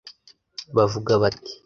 Bavuga bati